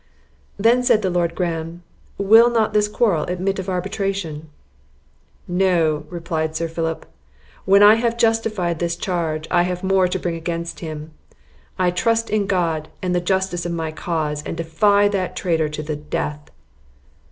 Then said the Lord Graham, "will not this quarrel admit of arbitration?" "No," replied Sir Philip; "when I have justified this charge, I have more to bring against him. I trust in God and the justice of my cause, and defy that traitor to the death!"